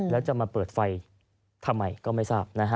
แล้วจะมาเปิดไฟทำไมก็ไม่ทราบนะฮะ